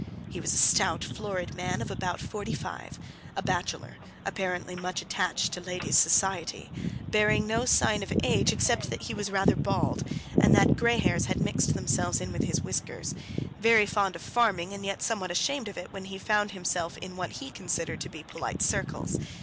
He was a stout, florid man, of about forty five, a bachelor, apparently much attached to ladies' society, bearing no sign of age except that he was rather bald, and that grey hairs had mixed themselves with his whiskers, very fond of his farming, and yet somewhat ashamed of it when he found himself in what he considered to be polite circles.